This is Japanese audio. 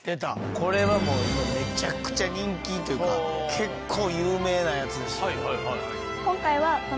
これはもう今めちゃくちゃ人気というか結構有名なやつですよ。